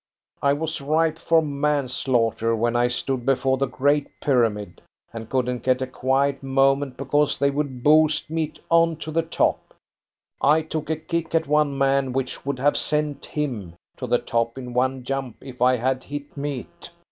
I was ripe for manslaughter when I stood before the Great Pyramid, and couldn't get a quiet moment because they would boost me on to the top. I took a kick at one man which would have sent him to the top in one jump if I had hit meat.